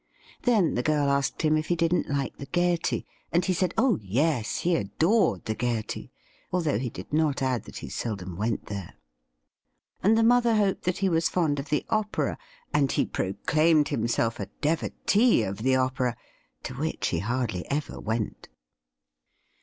Then the girl asked him if he didn't like the Gaiety, and he said oh yes, he adored the Gaiety, although he did not add that he seldom went there ; and the mother hoped that he was fond of the opera, and he proclaimed himself a devotee of the opera, to which he hardly ever went.